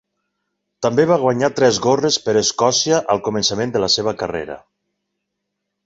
També va guanyar tres gorres per Escòcia al començament de la seva carrera.